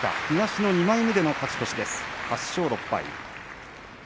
東の２枚目での勝ち越しです８勝６敗。